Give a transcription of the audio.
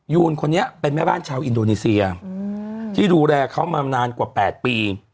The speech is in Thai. ยูนคนนี้เป็นแม่บ้านชาวอินโดนีเซียที่ดูแลเขามานานกว่า๘ปี